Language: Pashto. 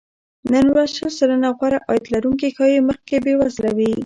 نن ورځ شل سلنه غوره عاید لرونکي ښايي مخکې بې وزله وي